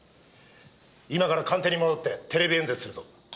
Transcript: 今から官邸に戻ってテレビ演説するぞ。